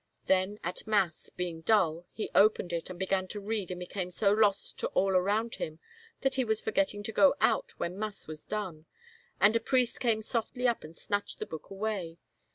Then at mass, being dull, he opened it and began to read and became so lost to all arotmd him that he was forgetting to go out when mass was done, and a priest came softly up and snatched the book away.